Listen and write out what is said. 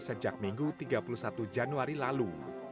sejak minggu tiga puluh satu januari lalu